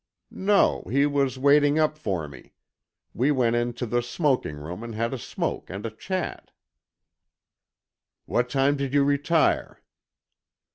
"No, he was waiting up for me. We went into the smoking room and had a smoke and a chat." "What time did you retire?"